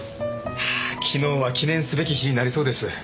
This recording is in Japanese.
はぁ昨日は記念すべき日になりそうです。